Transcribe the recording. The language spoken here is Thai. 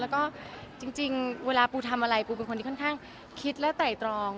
แล้วก็จริงเวลาปูทำอะไรปูเป็นคนที่ค่อนข้างคิดและไต่ตรอง